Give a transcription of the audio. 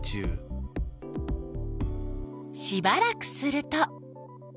しばらくすると。